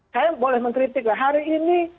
saya boleh mengkritiklah hari ini